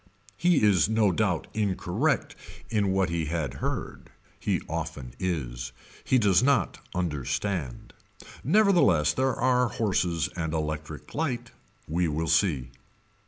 He is no doubt incorrect in what he had heard. He often is. He does not understand. Nevertheless there are horses and electric light. We will see.